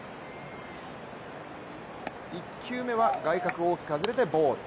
１球目は、外角を大きく外れてボール。